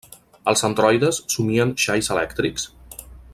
Els androides somien xais elèctrics?